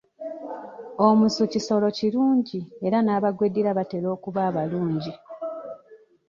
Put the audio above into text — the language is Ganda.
Omusu kisolo kirungi era n'abagweddira batera okuba abalungi.